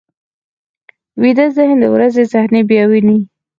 ویده ذهن د ورځې صحنې بیا ویني